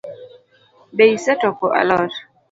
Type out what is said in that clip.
Be isetoko alot?